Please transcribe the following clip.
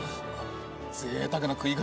ぜいたくな食い方。